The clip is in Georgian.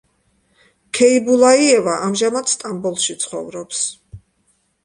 ქეიბულაიევა ამჟამად სტამბოლში ცხოვრობს.